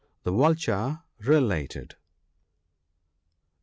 1 The Vulture related,— PEACE.